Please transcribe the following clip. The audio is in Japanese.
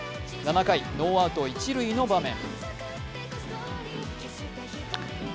７回、ノーアウト一塁の場面。